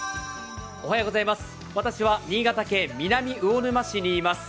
私は新潟県南魚沼市にいます。